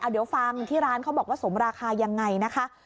เดี๋ยวฟังที่ร้านเขาบอกว่าสมราคายังไงนะคะ